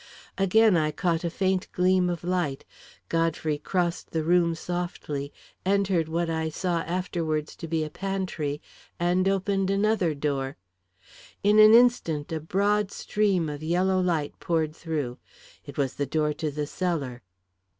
Again I caught a faint gleam of light; Godfrey crossed the room softly, entered what I saw afterwards to be a pantry, and opened another door. In an instant, a broad stream of yellow light poured through. It was the door to the cellar.